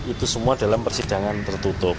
itu semua dalam persidangan tertutup